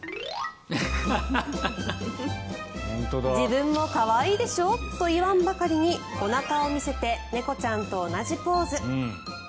自分も可愛いでしょ？と言わんばかりにおなかを見せて猫ちゃんと同じポーズ。